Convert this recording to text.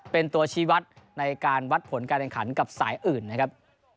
เป็นตัวชีวัตรในการวัดผลการแข่งขันกับสายอื่นนะครับ